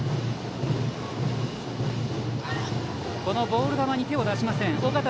ボール球に手を出しません。